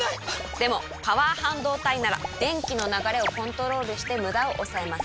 でもパワー半導体なら電気の流れをコントロールしてムダを抑えます。